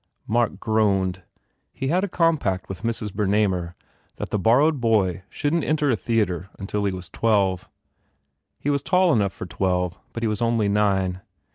Mark groaned. He had a compact with Mrs. Bernamer that the borrowed boy shouldn t enter a theatre until he was twelve. He was tall enough for twelve but he was only nine.